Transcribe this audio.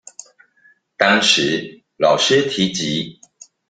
當時老師提及